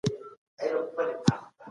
جان سبت د علمي میتود کارول اړین ګڼي.